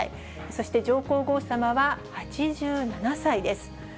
そして上皇后さまは８７歳です。